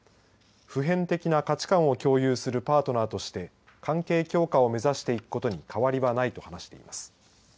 普遍的な価値観を共有するパートナーとして関係強化を目指していくことに変わりはないと話しています。